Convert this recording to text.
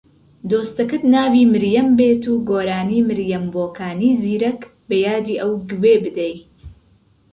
دۆستەکەت ناوی مریەم بێت و گۆرانی مریەم بۆکانی زیرەک بە یادی ئەو گوێ بدەی